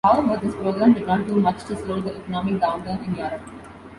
However, this program did not do much to slow the economic downturn in Europe.